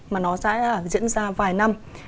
mà nó sẽ diễn ra vài năm